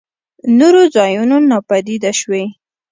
نورو ځايونو ناپديد شوي.